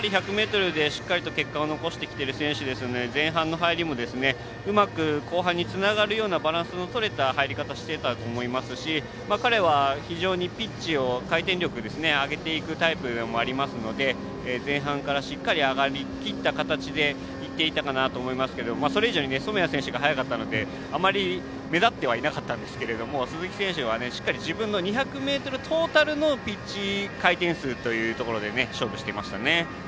１００ｍでしっかりと結果を残してきている選手ですので、前半の入りもうまく後半につながるようなバランスのとれた入り方をしていたと思いますし彼は非常にピッチを回転力を上げていくタイプでありますので前半からしっかり上がりきった形でいっていたかなと思いますけどそれ以上に染谷選手が速かったのであまり目立ってはいなかったんですが鈴木選手は自分の２００ｍトータルのピッチ回転数というところで勝負していましたね。